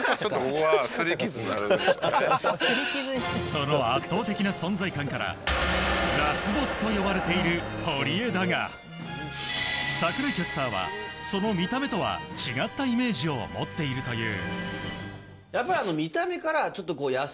その圧倒的な存在感からラスボスと呼ばれている堀江だが櫻井キャスターはその見た目とは違ったイメージを持っているという。